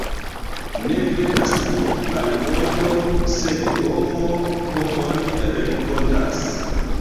Ne venas mont' al monto, sed homo homon renkontas.